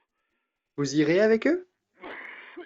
Vous irez avec eux ?